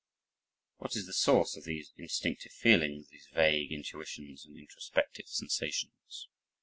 What is the source of these instinctive feelings, these vague intuitions and introspective sensations?